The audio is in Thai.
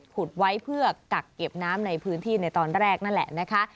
ขุดไว้เพื่อกักเก็บน้ำในพื้นที่ในตอนแรกนั่นแหละนะคะ